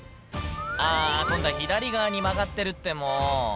あー、今度は左側に曲がってるって、もう。